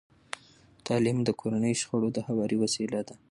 تعلیم د کورني شخړو د هواري وسیله ده.